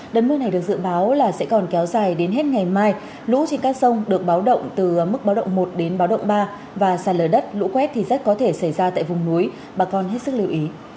đợt mưa này được dự báo là sẽ còn kéo dài đến hết ngày mai lũ trên các sông được báo động từ mức báo động một đến báo động ba và sàn lở đất lũ quét thì rất có thể xảy ra tại vùng núi bà con hết sức lưu ý